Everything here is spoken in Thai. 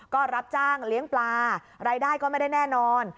ก็รับจ้างเลี้ยงปลารายได้ก็ไม่ได้แน่นอน